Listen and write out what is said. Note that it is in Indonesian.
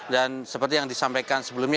dan seperti yang disampaikan sebelumnya